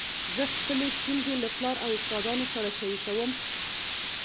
زه خپلي ستونزي له پلار او استادانو سره شریکوم.